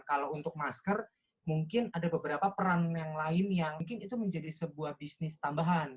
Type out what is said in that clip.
kalau untuk masker mungkin ada beberapa peran yang lain yang mungkin itu menjadi sebuah bisnis tambahan